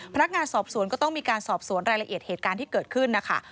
พนักงานสอบสวนก็ต้องมีการสอบสวนรายละเอียดเหตุการณ์ที่เกิดขึ้นนะคะ